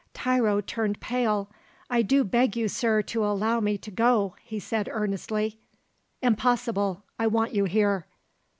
Tiro turned pale. "I do beg you, Sir, to allow me to go," he said earnestly. "Impossible, I want you here."